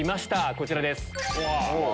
こちらです。